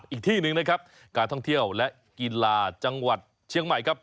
อีกที่หนึ่งนะครับการท่องเที่ยวและกีฬาจังหวัดเชียงใหม่ครับ